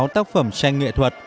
năm mươi sáu tác phẩm tranh nghệ thuật